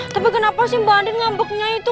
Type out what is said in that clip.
tapi kenapa sih mba andin ngambeknya itu